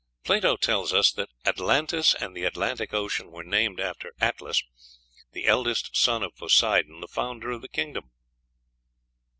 Plato tells us that Atlantis and the Atlantic Ocean were named after Atlas, the eldest son of Poseidon, the founder of the kingdom.